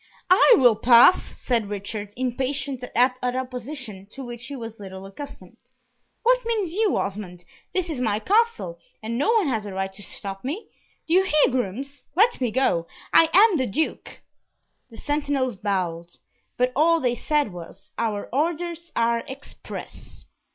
"I will pass!" said Richard, impatient at opposition, to which he was little accustomed. "What mean you, Osmond? This is my Castle, and no one has a right to stop me. Do you hear, grooms? let me go. I am the Duke!" The sentinels bowed, but all they said was, "Our orders are express."